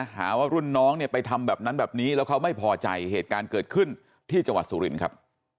หาว่ารุ่นน้องเนี่ยไปทำแบบนั้นแบบนี้แล้วเขาไม่พอใจเหตุการณ์เกิดขึ้นที่จังหวัดสุรินครับ